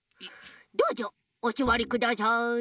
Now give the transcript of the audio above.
どうぞおすわりください。